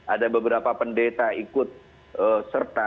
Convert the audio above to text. ada beberapa pendeta ikut serta